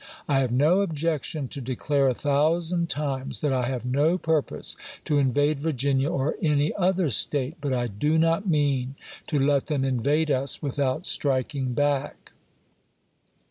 I have no objection to declare a thousand times that I Lincoln to have no purpose to invade Virginia or any other State, »"',i^o4'T86i but I do not mean to let them invade us without striking ms. back.